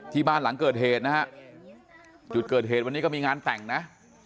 บ้านหลังเกิดเหตุนะฮะจุดเกิดเหตุวันนี้ก็มีงานแต่งนะ